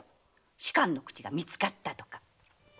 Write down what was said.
仕官の口が見つかったとか。